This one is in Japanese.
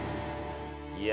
いや。